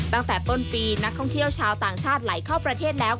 ตั้งแต่ต้นปีนักท่องเที่ยวชาวต่างชาติไหลเข้าประเทศแล้ว